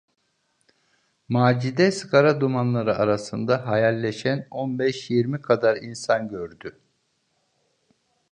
Macide sigara dumanları arasında hayalleşen on beş yirmi kadar insan gördü.